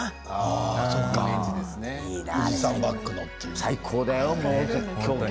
最高だよね。